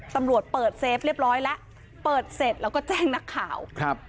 ตำรวจเปิดเซฟเรียบร้อยแล้วเปิดเสร็จแล้วก็แจ้งนักข่าวครับ